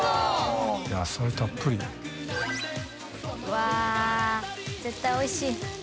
わっ絶対おいしい。